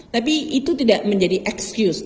tapi itu tidak menjadi excuse